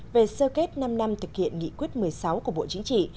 về sơ kết năm năm thực hiện nghị quyết một mươi sáu của bộ chính trị